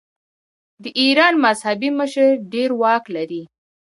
د ایران مذهبي مشر ډیر واک لري.